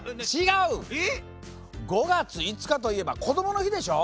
５がつ５かといえば「こどもの日」でしょ！